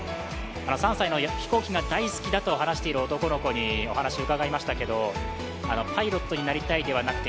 ３歳の飛行機が大好きだと話している男の子にお話を伺いましたけど、パイロットになりたいではなくて